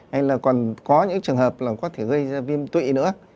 hay là còn có những trường hợp là có thể gây ra viêm tụy nữa